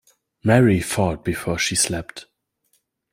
Mary fought before she slept.